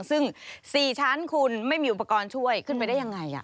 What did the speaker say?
ซึ่ง๔ชั้นคุณไม่มีอุปกรณ์ช่วยขึ้นไปได้ยังไง